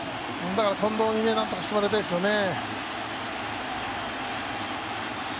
だから近藤になんとかしてもらいたいですよね。